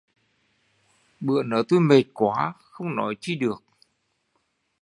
Bữa nớ tui mệt quá, không nói chi được